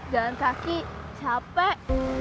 jalan kaki capek